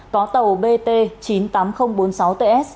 có tàu bt chín mươi tám nghìn bốn mươi sáu ts